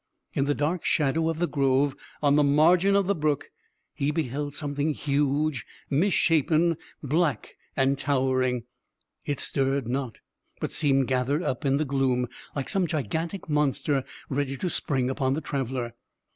In the dark shadow of the grove, on the margin of the brook, he beheld something huge, misshapen, black and towering. It stirred not, but seemed gathered up in the gloom, like some gigantic monster ready to spring upon the traveler.